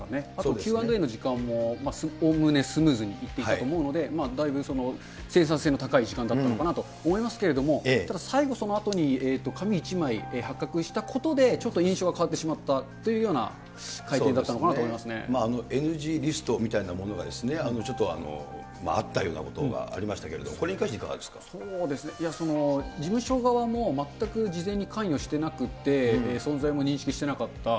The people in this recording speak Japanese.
Ｑ＆Ａの時間もおおむねスムーズにいっていたと思うので、だいぶ、生産性の高い時間だったのかなと思いますけれども、ただ最後、そのあとに紙１枚発覚したことで、ちょっと印象が変わってしまったというような会見だったのかなとＮＧリストみたいなものが、ちょっとあったようなことがありましたけれども、これに関してい事務所側も、全く事前に関与していなくて、存在も認識していなかった。